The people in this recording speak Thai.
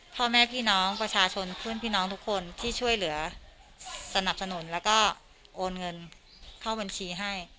พ่อแม่พี่น้องประชาชนเพื่อนพี่น้องทุกคนที่ช่วยเหลือสนับสนุนแล้วก็โอนเงินเข้าบัญชีให้